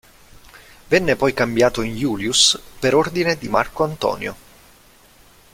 Venne poi cambiato in "iulius" per ordine di Marco Antonio.